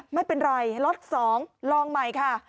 ไม่เป็นไรล็อต๒ลองใหม่ค่ะ